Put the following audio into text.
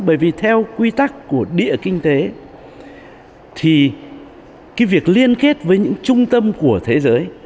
bởi vì theo quy tắc của địa kinh tế thì việc liên kết với những trung tâm của thế giới